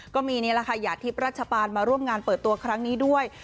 นี่แหละค่ะหยาดทิพย์ราชปานมาร่วมงานเปิดตัวครั้งนี้ด้วย